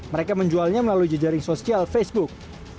mereka menjualnya melalui jejaring sosial facebook